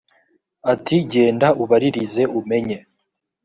ati genda ubaririze umenye